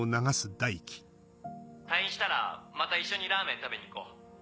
退院したらまた一緒にラーメン食べに行こう。